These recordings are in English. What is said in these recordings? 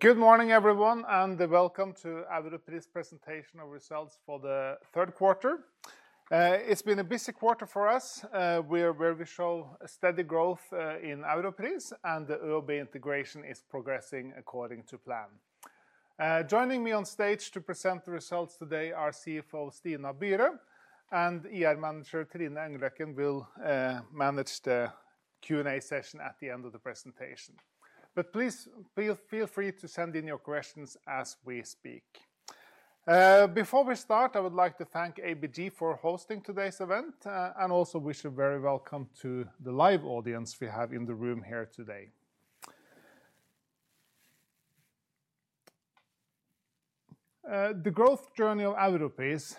Good morning, everyone, and welcome to the Europris presentation of results for the third quarter. It's been a busy quarter for us, where we show steady growth in Europris, and the ÖoB integration is progressing according to plan. Joining me on stage to present the results today are CFO Stina Byre, and Manager Trine Engløkken will manage the Q&A session at the end of the presentation. But please feel free to send in your questions as we speak. Before we start, I would like to thank ABG for hosting today's event, and also wish a very welcome to the live audience we have in the room here today. The growth journey of Europris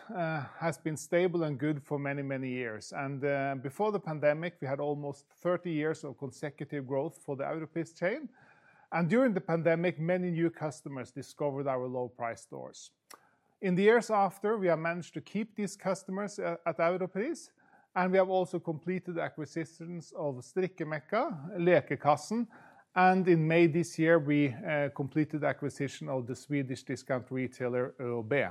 has been stable and good for many, many years, and before the pandemic, we had almost 30 years of consecutive growth for the Europris chain, and during the pandemic, many new customers discovered our low-price stores. In the years after, we have managed to keep these customers at Europris, and we have also completed acquisitions of Strikkemekka, Lekekassen, and in May this year, we completed the acquisition of the Swedish discount retailer ÖoB.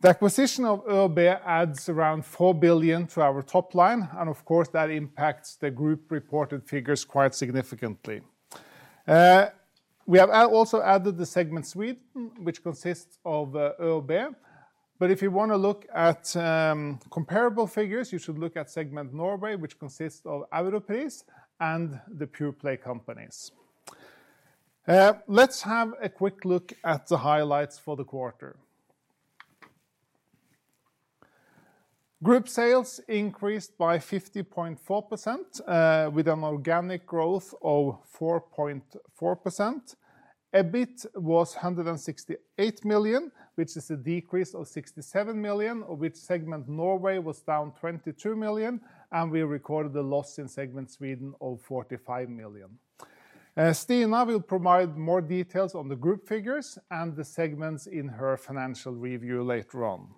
The acquisition of ÖoB adds around 4 billion to our top line, and of course, that impacts the group reported figures quite significantly. We have also added the segment Sweden, which consists of ÖoB. But if you want to look at comparable figures, you should look at segment Norway, which consists of Europris and the pure play companies. Let's have a quick look at the highlights for the quarter. Group sales increased by 50.4%, with an organic growth of 4.4%. EBIT was 168 million, which is a decrease of 67 million, with segment Norway down 22 million, and we recorded a loss in segment Sweden of 45 million. Stina will provide more details on the group figures and the segments in her financial review later on.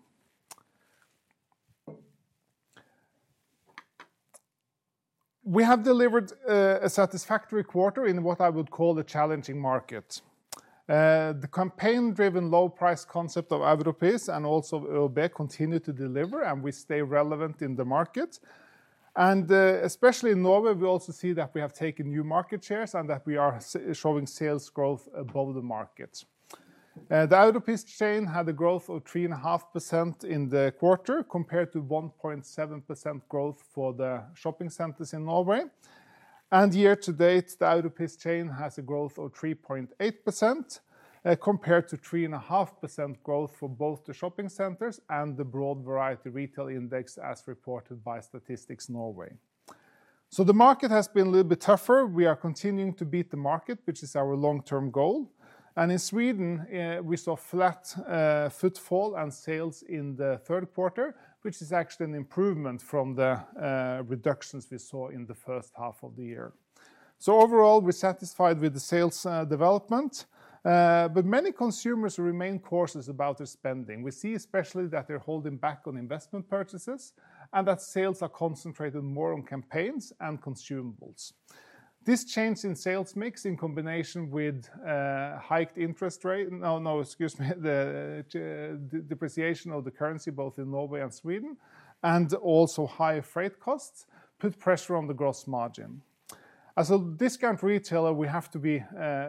We have delivered a satisfactory quarter in what I would call a challenging market. The campaign-driven low-price concept of Europris and also ÖoB continued to deliver, and we stay relevant in the market, and especially in Norway, we also see that we have taken new market shares and that we are showing sales growth above the market. The Europris chain had a growth of 3.5% in the quarter compared to 1.7% growth for the shopping centers in Norway, and year to date, the Europris chain has a growth of 3.8% compared to 3.5% growth for both the shopping centers and the broad variety retail index as reported by Statistics Norway, so the market has been a little bit tougher. We are continuing to beat the market, which is our long-term goal. In Sweden, we saw flat footfall and sales in the third quarter, which is actually an improvement from the reductions we saw in the first half of the year. Overall, we're satisfied with the sales development, but many consumers remain cautious about their spending. We see especially that they're holding back on investment purchases and that sales are concentrated more on campaigns and consumables. This change in sales mix, in combination with hiked interest rates - no, no, excuse me - the depreciation of the currency both in Norway and Sweden, and also higher freight costs put pressure on the gross margin. As a discount retailer, we have to be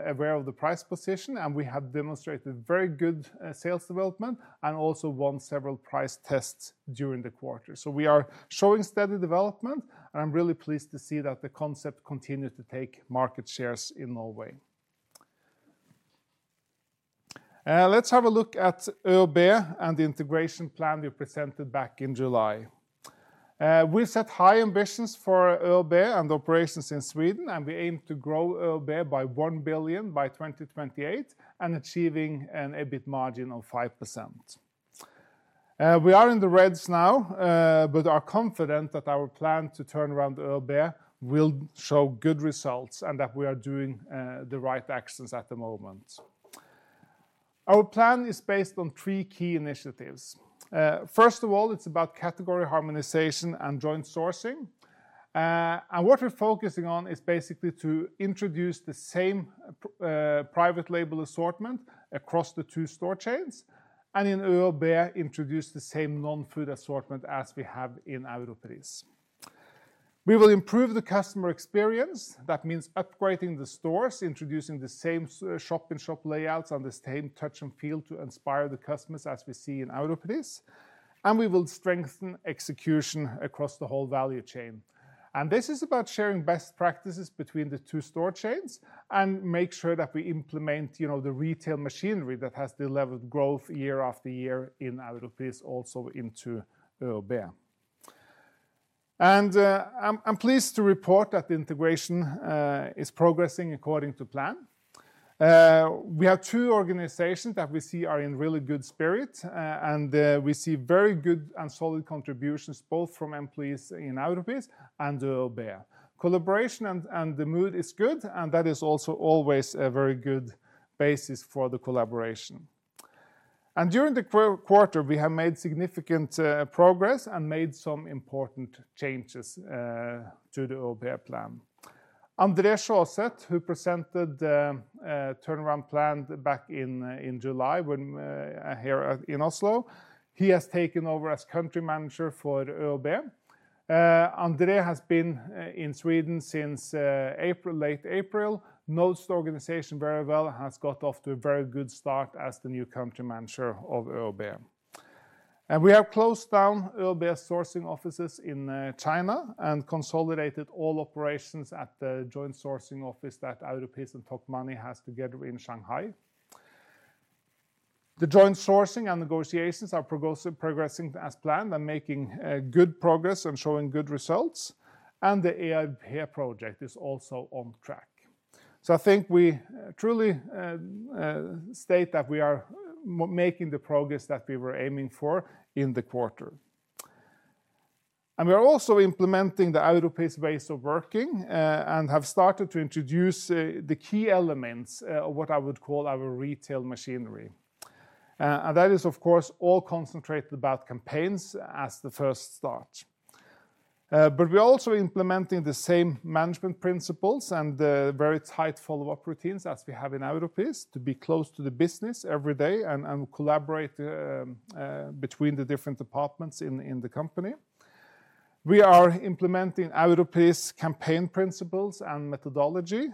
aware of the price position, and we have demonstrated very good sales development and also won several price tests during the quarter. We are showing steady development, and I'm really pleased to see that the concept continues to take market shares in Norway. Let's have a look at ÖoB and the integration plan we presented back in July. We set high ambitions for ÖoB and operations in Sweden, and we aim to grow ÖoB by 1 billion by 2028 and achieving an EBIT margin of 5%. We are in the red now, but are confident that our plan to turn around ÖoB will show good results and that we are doing the right actions at the moment. Our plan is based on three key initiatives. First of all, it's about category harmonization and joint sourcing. And what we're focusing on is basically to introduce the same private label assortment across the two store chains and in ÖoB introduce the same non-food assortment as we have in Europris. We will improve the customer experience. That means upgrading the stores, introducing the same shop-in-shop layouts and the same touch and feel to inspire the customers as we see in Europris. And we will strengthen execution across the whole value chain. And this is about sharing best practices between the two store chains and make sure that we implement the retail machinery that has delivered growth year after year in Europris, also into ÖoB. And I'm pleased to report that the integration is progressing according to plan. We have two organizations that we see are in really good spirit, and we see very good and solid contributions both from employees in Europris and ÖoB. Collaboration and the mood is good, and that is also always a very good basis for the collaboration. And during the quarter, we have made significant progress and made some important changes to the ÖoB plan. Andreas Skjåseth, who presented the turnaround plan back in July here in Oslo, he has taken over as country manager for ÖoB. Andreas has been in Sweden since late April, knows the organization very well, and has got off to a very good start as the new country manager of ÖoB. We have closed down ÖoB's sourcing offices in China and consolidated all operations at the joint sourcing office that Europris and Tokmanni has together in Shanghai. The joint sourcing and negotiations are progressing as planned and making good progress and showing good results. The ERP project is also on track. I think we truly state that we are making the progress that we were aiming for in the quarter. We are also implementing the Europris ways of working and have started to introduce the key elements of what I would call our retail machinery. That is, of course, all concentrated about campaigns as the first start. We are also implementing the same management principles and very tight follow-up routines as we have in Europris to be close to the business every day and collaborate between the different departments in the company. We are implementing Europris campaign principles and methodology.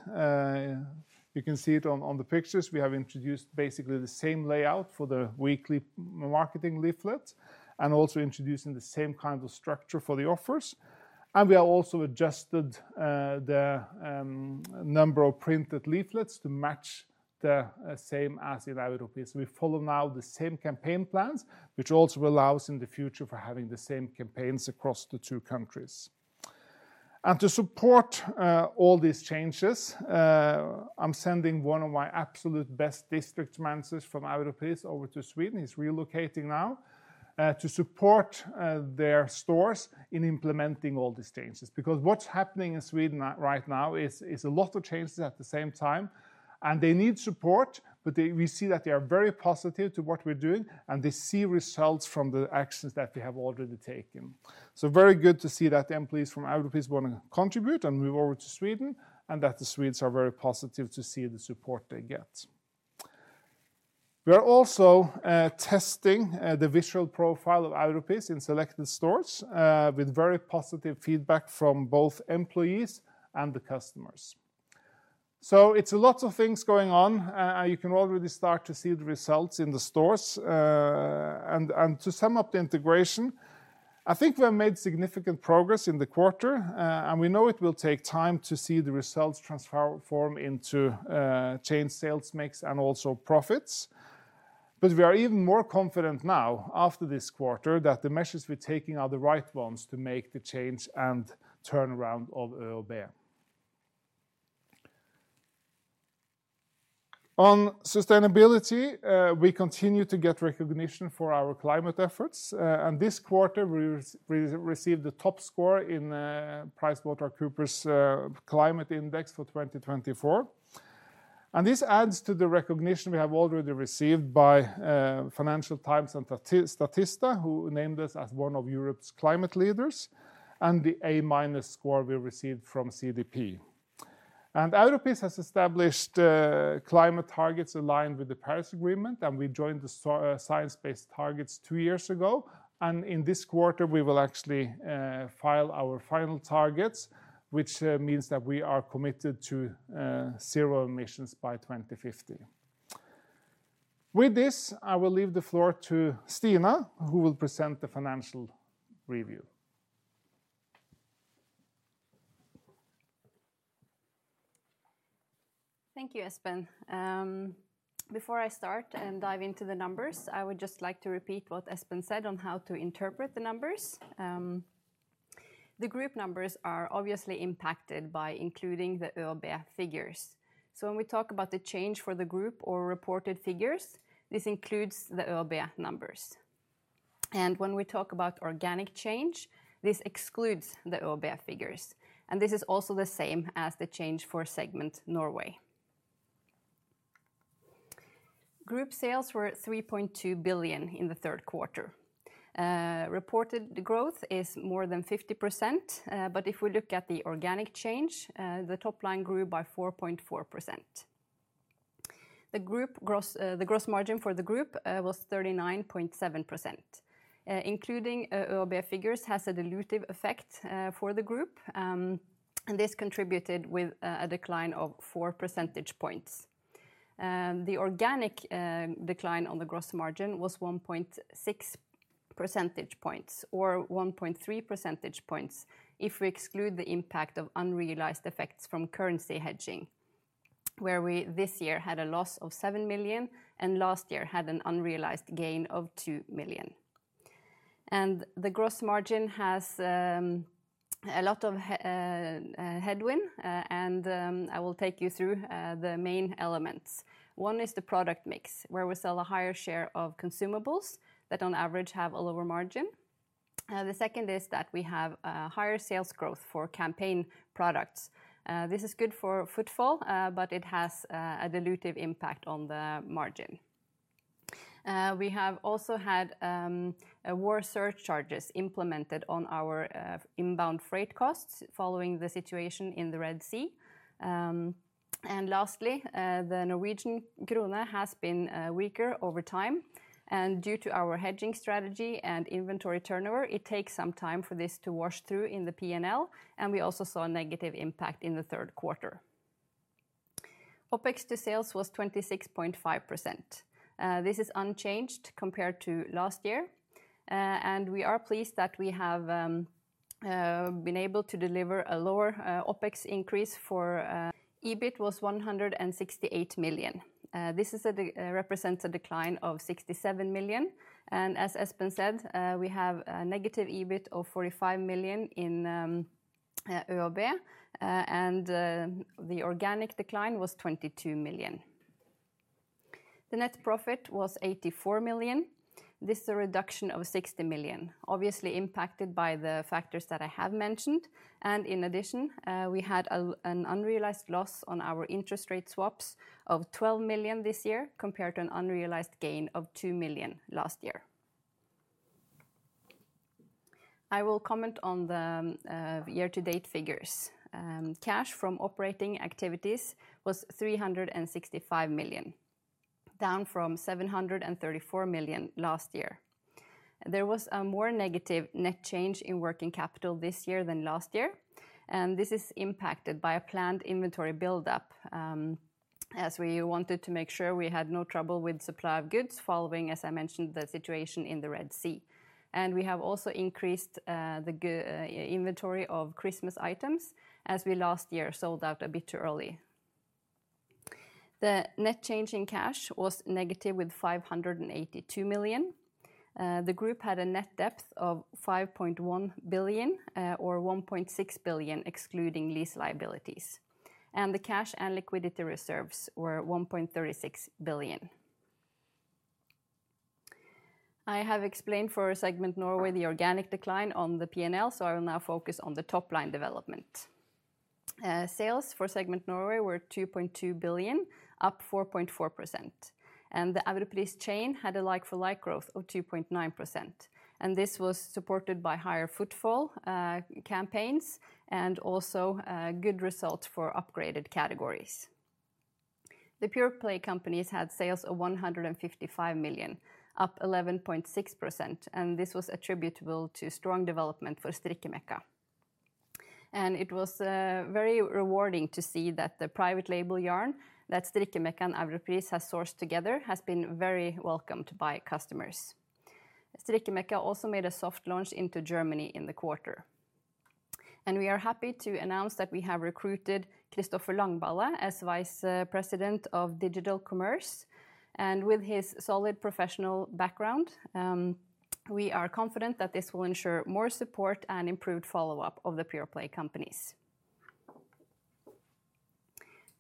You can see it on the pictures. We have introduced basically the same layout for the weekly marketing leaflet and also introducing the same kind of structure for the offers. We have also adjusted the number of printed leaflets to match the same as in Europris. We follow now the same campaign plans, which also allows in the future for having the same campaigns across the two countries. To support all these changes, I'm sending one of my absolute best district managers from Europris over to Sweden. He's relocating now to support their stores in implementing all these changes. Because what's happening in Sweden right now is a lot of changes at the same time, and they need support, but we see that they are very positive to what we're doing, and they see results from the actions that they have already taken. Very good to see that employees from Europris want to contribute and move over to Sweden, and that the Swedes are very positive to see the support they get. We are also testing the visual profile of Europris in selected stores with very positive feedback from both employees and the customers. It's a lot of things going on, and you can already start to see the results in the stores. To sum up the integration, I think we have made significant progress in the quarter, and we know it will take time to see the results transform into change sales mix and also profits. We are even more confident now after this quarter that the measures we're taking are the right ones to make the change and turnaround of ÖoB. On sustainability, we continue to get recognition for our climate efforts. This quarter, we received the top score in PricewaterhouseCoopers's climate index for 2024. This adds to the recognition we have already received by Financial Times and Statista, who named us as one of Europe's climate leaders, and the A- score we received from CDP. Europris has established climate targets aligned with the Paris Agreement, and we joined the Science Based Targets two years ago. In this quarter, we will actually file our final targets, which means that we are committed to zero emissions by 2050. With this, I will leave the floor to Stina, who will present the financial review. Thank you, Espen. Before I start and dive into the numbers, I would just like to repeat what Espen said on how to interpret the numbers. The group numbers are obviously impacted by including the ÖoB figures. So when we talk about the change for the group or reported figures, this includes the ÖoB numbers. And when we talk about organic change, this excludes the ÖoB numbers. And this is also the same as the change for segment Norway. Group sales were 3.2 billion in the third quarter. Reported growth is more than 50%, but if we look at the organic change, the top line grew by 4.4%. The gross margin for the group was 39.7%. Including ÖoB figures has a dilutive effect for the group, and this contributed with a decline of 4 percentage points. The organic decline on the gross margin was 1.6 percentage points or 1.3 percentage points if we exclude the impact of unrealized effects from currency hedging, where we this year had a loss of 7 million and last year had an unrealized gain of 2 million. And the gross margin has a lot of headwind, and I will take you through the main elements. One is the product mix, where we sell a higher share of consumables that on average have a lower margin. The second is that we have higher sales growth for campaign products. This is good for footfall, but it has a dilutive impact on the margin. We have also had war surcharges implemented on our inbound freight costs following the situation in the Red Sea. And lastly, the Norwegian krone has been weaker over time. Due to our hedging strategy and inventory turnover, it takes some time for this to wash through in the P&L, and we also saw a negative impact in the third quarter. OPEX to sales was 26.5%. This is unchanged compared to last year, and we are pleased that we have been able to deliver a lower OPEX increase for. EBIT was 168 million. This represents a decline of 67 million. As Espen said, we have a negative EBIT of 45 million in ÖoB, and the organic decline was 22 million. The net profit was 84 million. This is a reduction of 60 million, obviously impacted by the factors that I have mentioned. In addition, we had an unrealized loss on our interest rate swaps of 12 million this year compared to an unrealized gain of 2 million last year. I will comment on the year-to-date figures. Cash from operating activities was 365 million, down from 734 million last year. There was a more negative net change in working capital this year than last year, and this is impacted by a planned inventory build-up as we wanted to make sure we had no trouble with supply of goods following, as I mentioned, the situation in the Red Sea. We have also increased the inventory of Christmas items as we last year sold out a bit too early. The net change in cash was negative with 582 million. The group had a net debt of 5.1 billion or 1.6 billion excluding lease liabilities. The cash and liquidity reserves were 1.36 billion. I have explained for segment Norway the organic decline on the P&L, so I will now focus on the top line development. Sales for segment Norway were 2.2 billion, up 4.4%. The Europris chain had a like-for-like growth of 2.9%. This was supported by higher footfall campaigns and also good results for upgraded categories. The pure play companies had sales of 155 million, up 11.6%, and this was attributable to strong development for Strikkemekka. It was very rewarding to see that the private label yarn that Strikkemekka and Europris have sourced together has been very welcomed by customers. Strikkemekka also made a soft launch into Germany in the quarter. We are happy to announce that we have recruited Kristoffer Langballe as Vice President of Digital Commerce. With his solid professional background, we are confident that this will ensure more support and improved follow-up of the pure play companies.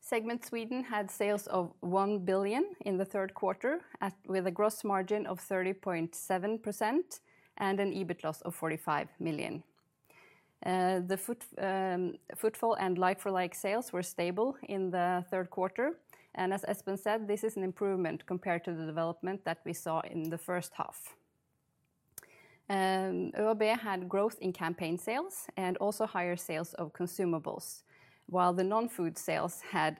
Segment Sweden had sales of 1 billion in the third quarter with a gross margin of 30.7% and an EBIT loss of 45 million. The footfall and like-for-like sales were stable in the third quarter. And as Espen said, this is an improvement compared to the development that we saw in the first half. ÖoB had growth in campaign sales and also higher sales of consumables, while the non-food sales had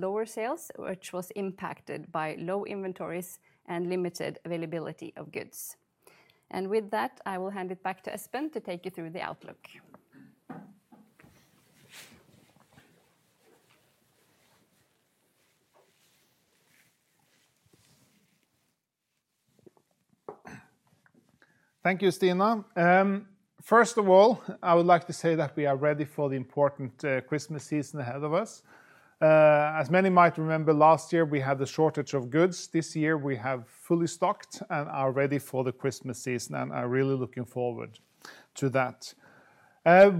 lower sales, which was impacted by low inventories and limited availability of goods. And with that, I will hand it back to Espen to take you through the outlook. Thank you, Stina. First of all, I would like to say that we are ready for the important Christmas season ahead of us. As many might remember, last year we had a shortage of goods. This year we have fully stocked and are ready for the Christmas season, and I'm really looking forward to that.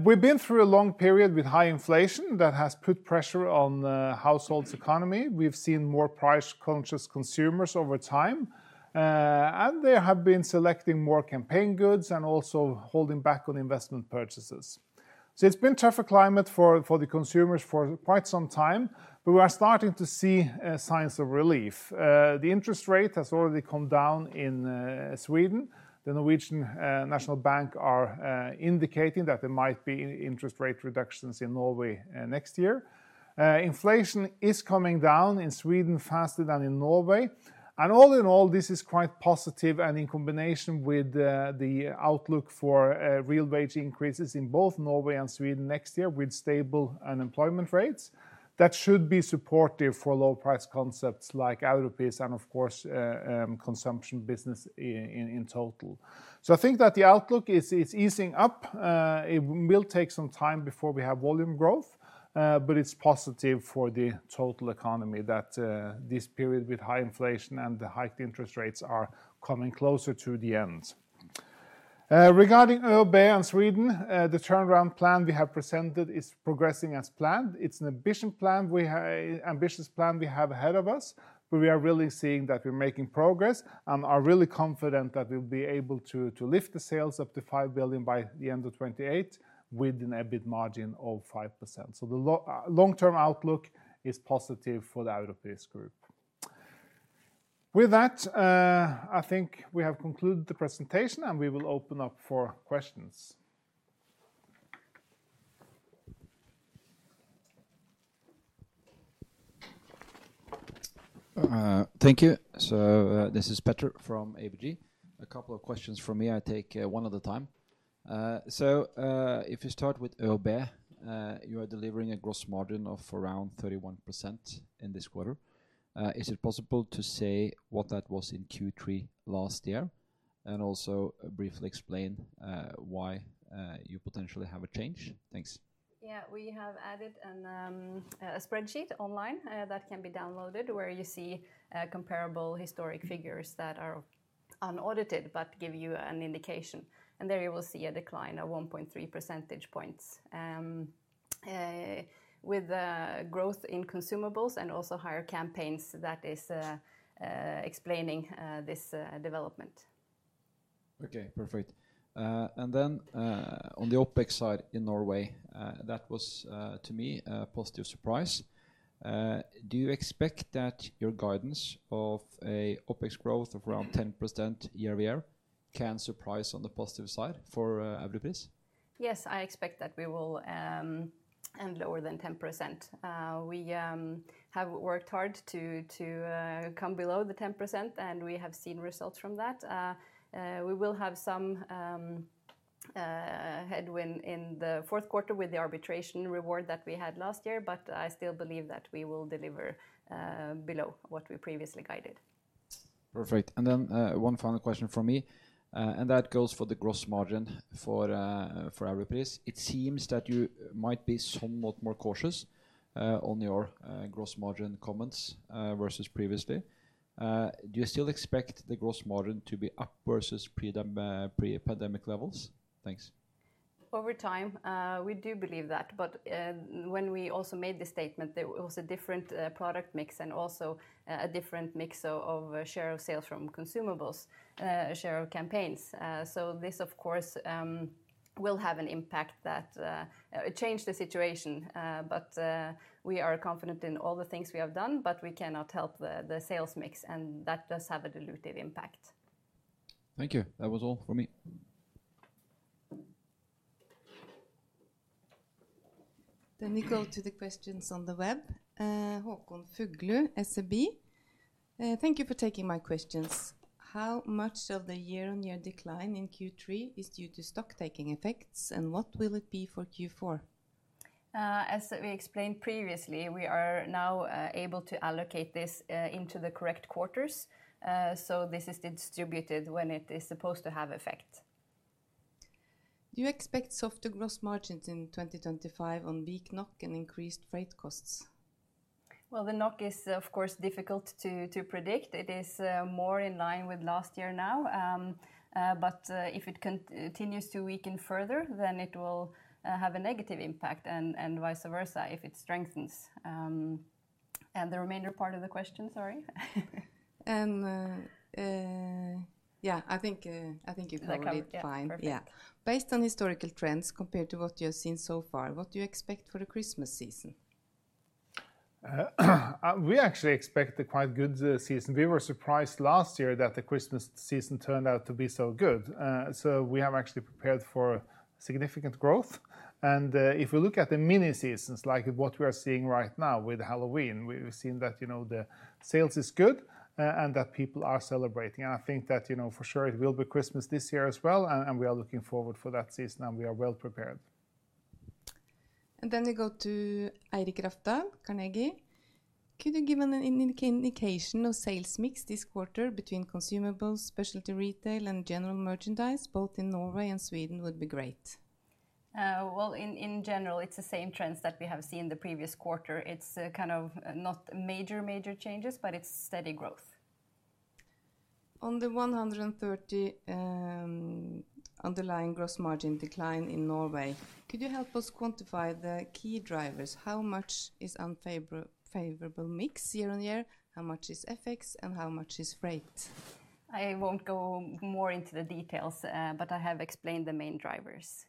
We've been through a long period with high inflation that has put pressure on the household's economy. We've seen more price-conscious consumers over time, and they have been selecting more campaign goods and also holding back on investment purchases. So it's been a tougher climate for the consumers for quite some time, but we are starting to see signs of relief. The interest rate has already come down in Sweden. The Norwegian National Bank are indicating that there might be interest rate reductions in Norway next year. Inflation is coming down in Sweden faster than in Norway, and all in all, this is quite positive and in combination with the outlook for real wage increases in both Norway and Sweden next year with stable unemployment rates that should be supportive for low price concepts like Europris and, of course, consumption business in total, so I think that the outlook is easing up. It will take some time before we have volume growth, but it's positive for the total economy that this period with high inflation and the hiked interest rates are coming closer to the end. Regarding ÖoB and Sweden, the turnaround plan we have presented is progressing as planned. It's an ambitious plan we have ahead of us, but we are really seeing that we're making progress and are really confident that we'll be able to lift the sales up to 5 billion by the end of 2028 with an EBIT margin of 5%. So the long-term outlook is positive for the Europris group. With that, I think we have concluded the presentation, and we will open up for questions. Thank you. So this is Petter from ABG. A couple of questions from me. I take one at a time. So if you start with ÖoB, you are delivering a gross margin of around 31% in this quarter. Is it possible to say what that was in Q3 last year and also briefly explain why you potentially have a change? Thanks. Yeah, we have added a spreadsheet online that can be downloaded where you see comparable historic figures that are unaudited but give you an indication, and there you will see a decline of 1.3 percentage points with growth in consumables and also higher campaigns that is explaining this development. Okay, perfect. And then on the OPEX side in Norway, that was to me a positive surprise. Do you expect that your guidance of an OPEX growth of around 10% year over year can surprise on the positive side for Europris? Yes, I expect that we will end lower than 10%. We have worked hard to come below the 10%, and we have seen results from that. We will have some headwind in the fourth quarter with the arbitration award that we had last year, but I still believe that we will deliver below what we previously guided. Perfect. And then one final question from me, and that goes for the gross margin for Europris. It seems that you might be somewhat more cautious on your gross margin comments versus previously. Do you still expect the gross margin to be up versus pre-pandemic levels? Thanks. Over time, we do believe that. But when we also made the statement, there was a different product mix and also a different mix of share of sales from consumables, share of campaigns. So this, of course, will have an impact that changed the situation, but we are confident in all the things we have done, but we cannot help the sales mix, and that does have a dilutive impact. Thank you. That was all from me. Then we go to the questions on the web. Håkon Fuglu, SEB. Thank you for taking my questions. How much of the year-on-year decline in Q3 is due to stock-taking effects, and what will it be for Q4? As we explained previously, we are now able to allocate this into the correct quarters. So this is distributed when it is supposed to have effect. Do you expect softer gross margins in 2025 on weak NOK and increased freight costs? The knock is, of course, difficult to predict. It is more in line with last year now. But if it continues to weaken further, then it will have a negative impact and vice versa if it strengthens. The remainder part of the question, sorry? Yeah, I think you broke out fine. Yeah. Based on historical trends compared to what you have seen so far, what do you expect for the Christmas season? We actually expect a quite good season. We were surprised last year that the Christmas season turned out to be so good. So we have actually prepared for significant growth, and if we look at the mini seasons, like what we are seeing right now with Halloween, we've seen that the sales is good and that people are celebrating, and I think that for sure it will be Christmas this year as well, and we are looking forward for that season, and we are well prepared. We go to Eirik Rafdal, Carnegie. Could you give an indication of sales mix this quarter between consumables, specialty retail, and general merchandise? Both in Norway and Sweden would be great. In general, it's the same trends that we have seen the previous quarter. It's kind of not major, major changes, but it's steady growth. On the 130 underlying gross margin decline in Norway, could you help us quantify the key drivers? How much is unfavorable mix year on year? How much is FX, and how much is freight? I won't go more into the details, but I have explained the main drivers.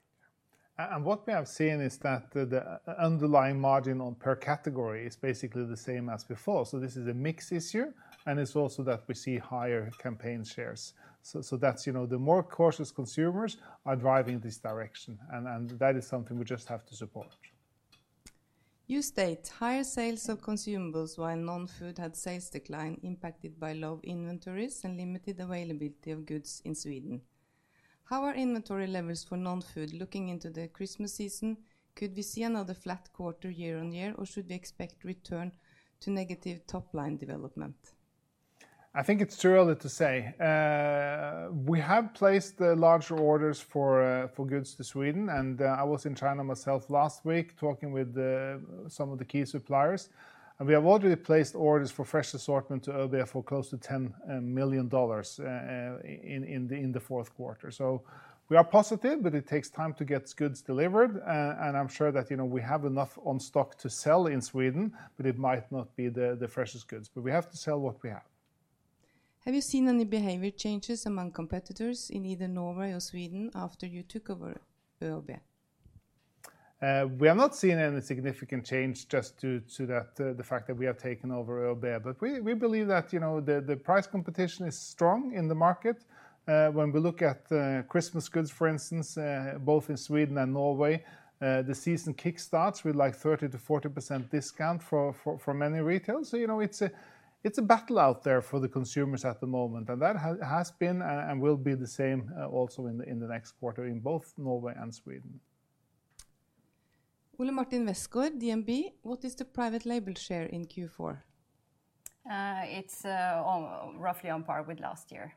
And what we have seen is that the underlying margin on per category is basically the same as before. So this is a mix issue, and it's also that we see higher campaign shares. So that's the more cautious consumers are driving this direction, and that is something we just have to support. You state higher sales of consumables while non-food had sales decline impacted by low inventories and limited availability of goods in Sweden. How are inventory levels for non-food looking into the Christmas season? Could we see another flat quarter year on year, or should we expect return to negative top line development? I think it's too early to say. We have placed larger orders for goods to Sweden, and I was in China myself last week talking with some of the key suppliers. And we have already placed orders for fresh assortment to ÖoB for close to $10 million in the fourth quarter. So we are positive, but it takes time to get goods delivered. And I'm sure that we have enough on stock to sell in Sweden, but it might not be the freshest goods. But we have to sell what we have. Have you seen any behavior changes among competitors in either Norway or Sweden after you took over ÖoB? We have not seen any significant change just due to the fact that we have taken over ÖoB, but we believe that the price competition is strong in the market. When we look at Christmas goods, for instance, both in Sweden and Norway, the season kickstarts with like 30%-40% discount for many retailers. So it's a battle out there for the consumers at the moment, and that has been and will be the same also in the next quarter in both Norway and Sweden. Ole Martin Westgaard, DNB, what is the private label share in Q4? It's roughly on par with last year.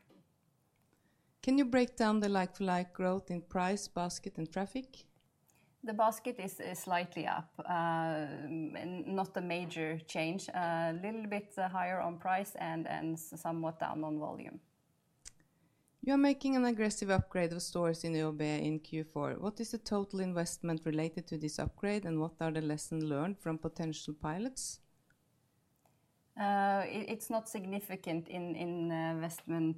Can you break down the like-for-like growth in price, basket, and traffic? The basket is slightly up, not a major change. A little bit higher on price and somewhat down on volume. You are making an aggressive upgrade of stores in ÖoB in Q4. What is the total investment related to this upgrade, and what are the lessons learned from potential pilots? It's not significant in investment.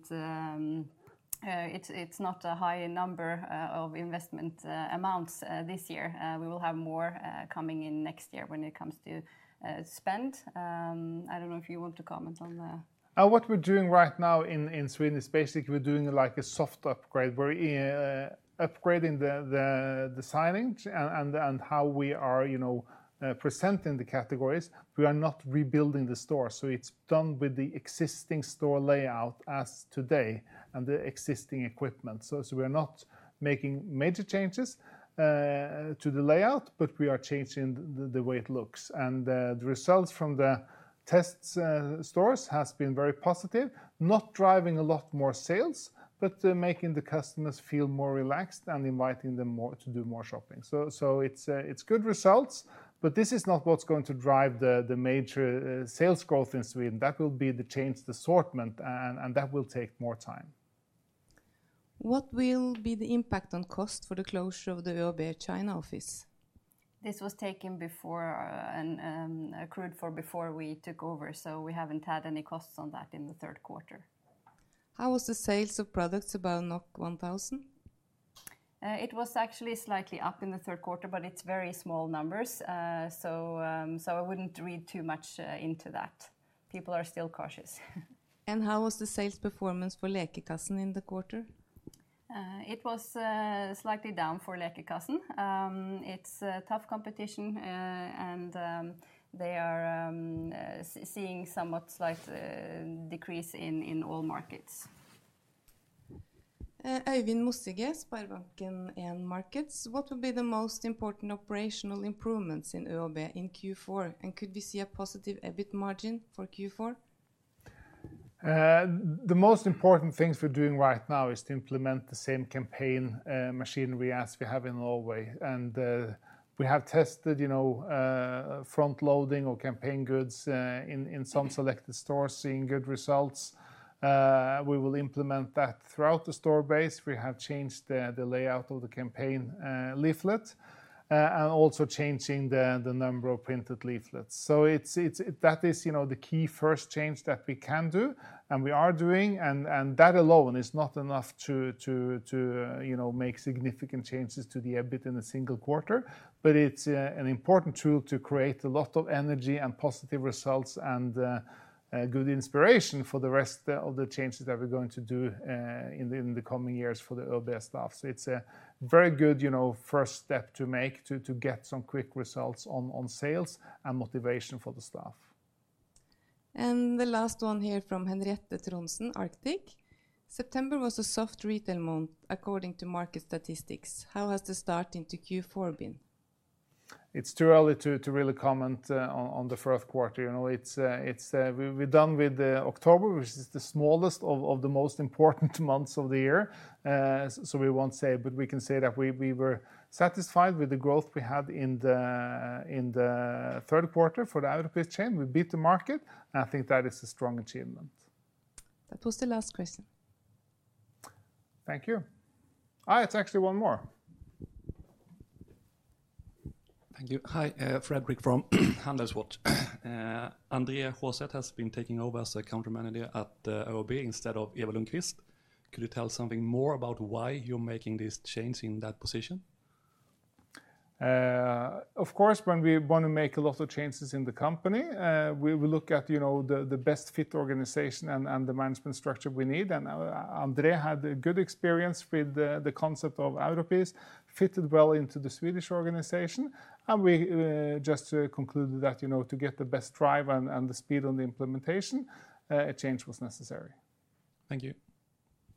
It's not a high number of investment amounts this year. We will have more coming in next year when it comes to spend. I don't know if you want to comment on that. What we're doing right now in Sweden is basically we're doing like a soft upgrade. We're upgrading the signage and how we are presenting the categories. We are not rebuilding the stores, so it's done with the existing store layout as today and the existing equipment, so we are not making major changes to the layout, but we are changing the way it looks, and the results from the test stores have been very positive, not driving a lot more sales, but making the customers feel more relaxed and inviting them to do more shopping, so it's good results, but this is not what's going to drive the major sales growth in Sweden. That will be the change to assortment, and that will take more time. What will be the impact on cost for the closure of the ÖoB China office? This was taken before and accrued for before we took over, so we haven't had any costs on that in the third quarter. How was the sales of products above 1,000? It was actually slightly up in the third quarter, but it's very small numbers. So I wouldn't read too much into that. People are still cautious. How was the sales performance for Lekekassen in the quarter? It was slightly down for Lekekassen. It's tough competition, and they are seeing somewhat slight decrease in all markets. Øyvind Mossige, SpareBank 1 Markets, what will be the most important operational improvements in ÖoB in Q4, and could we see a positive EBIT margin for Q4? The most important things we're doing right now is to implement the same campaign machinery as we have in Norway. And we have tested front loading or campaign goods in some selected stores, seeing good results. We will implement that throughout the store base. We have changed the layout of the campaign leaflet and also changing the number of printed leaflets. So that is the key first change that we can do and we are doing. And that alone is not enough to make significant changes to the EBIT in a single quarter, but it's an important tool to create a lot of energy and positive results and good inspiration for the rest of the changes that we're going to do in the coming years for the ÖoB staff. So it's a very good first step to make to get some quick results on sales and motivation for the staff. The last one here from Henriette Trondsen, Arctic. September was a soft retail month according to market statistics. How has the start into Q4 been? It's too early to really comment on the fourth quarter. We're done with October, which is the smallest of the most important months of the year. So we won't say, but we can say that we were satisfied with the growth we had in the third quarter for the Europris chain. We beat the market, and I think that is a strong achievement. That was the last question. Thank you. It's actually one more. Thank you. Hi, Fredrik from Handelsbanken. Andreas Skjåseth has been taking over as Country Manager at ÖoB instead of Eva Lundqvist. Could you tell something more about why you're making these changes in that position? Of course, when we want to make a lot of changes in the company, we look at the best fit organization and the management structure we need. And Andreas had a good experience with the concept of ÖoB, fitted well into the Swedish organization. And we just concluded that to get the best drive and the speed on the implementation, a change was necessary. Thank you.